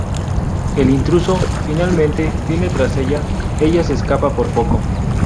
El intruso, finalmente, viene tras ella; ella se escapa por poco.